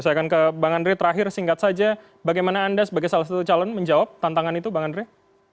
saya akan ke bang andre terakhir singkat saja bagaimana anda sebagai salah satu calon menjawab tantangan itu bang andre